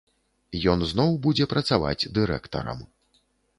Ён зноў будзе працаваць дырэктарам.